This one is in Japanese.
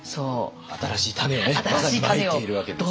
新しい種をまさにまいているわけですね。